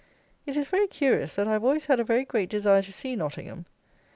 It is very curious that I have always had a very great desire to see Nottingham.